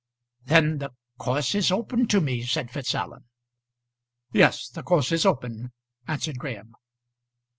"Then the course is open to me," said Fitzallen. "Yes, the course is open," answered Graham.